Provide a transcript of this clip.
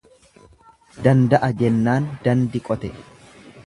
Danda'a jennaan dandi qote.